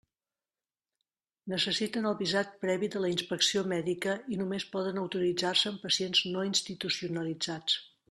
Necessiten el visat previ de la inspecció mèdica i només poden autoritzar-se en pacients no institucionalitzats.